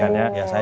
ya saya juga suka